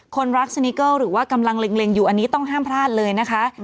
คนรักสนิเกิลหรือว่ากำลังเล็งอยู่อันนี้ต้องห้ามพลาดเลยนะคะ